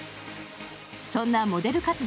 そんなモデル活動